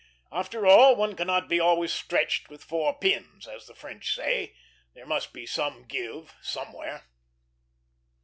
After all, one cannot be always stretched with four pins, as the French say; there must be some give somewhere.